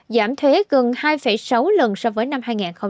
giảm thuế gần hai sáu lần so với năm hai nghìn hai mươi